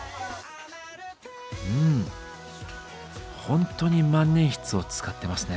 うんほんとに万年筆を使ってますね。